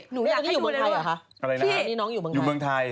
หนูอยากให้ดูเลยนะครับอยู่เมืองไทยนี่น้องอยู่เมืองไทย